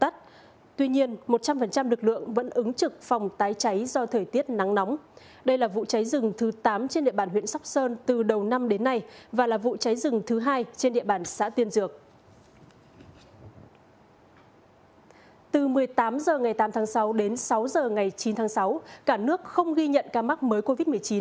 từ một mươi tám h ngày tám tháng sáu đến sáu h ngày chín tháng sáu cả nước không ghi nhận ca mắc mới covid một mươi chín